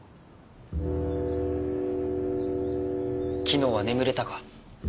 昨日は眠れたか？